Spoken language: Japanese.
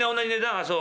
あっそう。